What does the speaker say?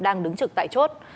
đang đứng trực tại chốt